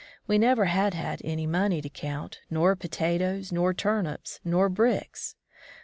We never had had any money to comit, nor potatoes, nor turnips, nor bricks.